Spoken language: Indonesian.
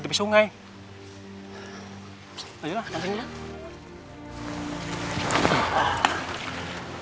sungai sungai hai berdoa kembali nge rap